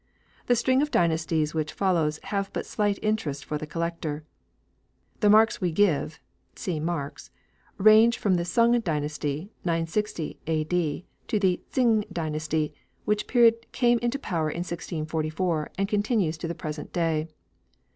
The string of dynasties which follows have but slight interest for the collector. The marks we give (see Marks) range from the Sung dynasty, 960 A.D., to the Tsing dynasty, which came into power in 1644 and continues to the present day.